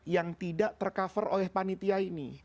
yang tidak tercover oleh panitia ini